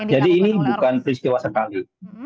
jadi ini bukan peristiwa sekali